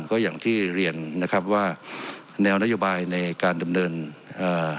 ก็อย่างที่เรียนนะครับว่าแนวนโยบายในการดำเนินอ่า